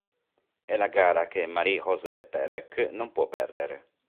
È la gara che Marie-José Perec non può perdere.